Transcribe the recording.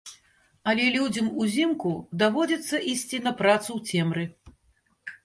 Але людзям узімку даводзіцца ісці на працу ў цемры.